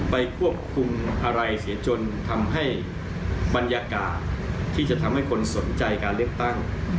ไปควบคุมอะไรเสียจนทำให้บรรยากาศที่จะทำให้คนสนใจการเลือกตั้ง